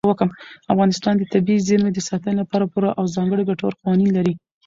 افغانستان د طبیعي زیرمې د ساتنې لپاره پوره او ځانګړي ګټور قوانین لري.